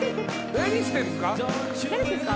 何してんすか？